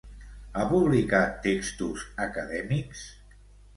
Ha publicat textos acadèmics?